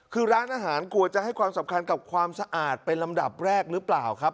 คือร้านอาหารกลัวจะให้ความสำคัญกับความสะอาดเป็นลำดับแรกหรือเปล่าครับ